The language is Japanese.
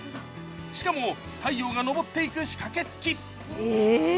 しかも太陽が昇っていく仕掛け付き。